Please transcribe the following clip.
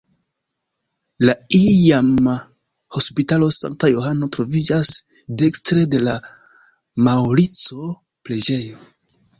La iama Hospitalo Sankta Johano troviĝas dekstre de la Maŭrico-preĝejo.